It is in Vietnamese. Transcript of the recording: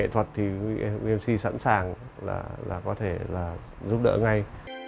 thì huy mc sẵn sàng là có thể giúp đỡ ngay